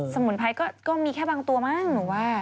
สมุนไพรก็มีแค่บางตัวมั้งหนูว่า